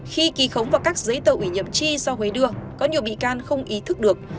khi ký khống vào các giấy tờ ủy nhiệm chi do huế đưa có nhiều bị can không ý thức được